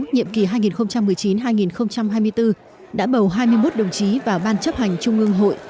nhiệm kỳ hai nghìn một mươi chín hai nghìn hai mươi bốn đã bầu hai mươi một đồng chí vào ban chấp hành trung ương hội